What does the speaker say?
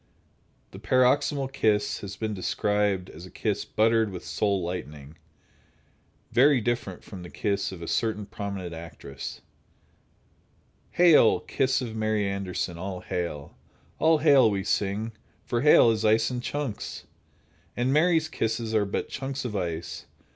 The "paroxysmal kiss" has been described as a kiss "buttered with soul lightning." Very different from the kiss of a certain prominent actress: Hail! kiss of Mary Anderson, all hail! All hail, we sing, for hail is ice in chunks, And Mary's kisses are but chunks of ice.